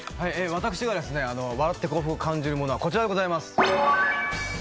私が「笑って幸福を感じるもの」はこちらでございます。